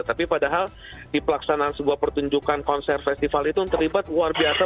tapi padahal di pelaksanaan sebuah pertunjukan konser festival itu terlibat luar biasa